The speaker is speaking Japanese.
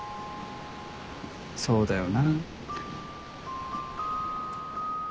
そうだよな。